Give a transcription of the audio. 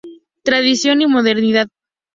Tradición y Modernidad.